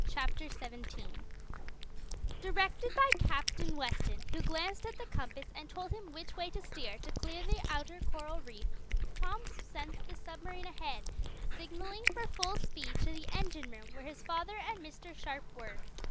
Chapter Seventeen The Race Directed by Captain Weston, who glanced at the compass and told him which way to steer to clear the outer coral reef, Tom sent the submarine ahead, signaling for full speed to the engine room, where his father and Mr. Sharp were.